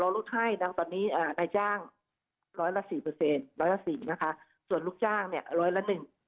ลดให้ตอนนี้นายจ้าง๑๐๐ละ๔ส่วนลูกจ้าง๑๐๐ละ๑